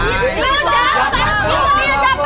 itu dia capat